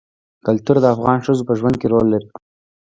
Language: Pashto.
کلتور د افغان ښځو په ژوند کې رول لري.